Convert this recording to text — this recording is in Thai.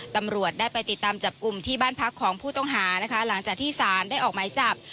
ตำรวจได้ไปติดตามจับกลุ่มที่บ้านพักของผู้ต้องหานะคะหลังจากที่สารได้ออกหมายจับ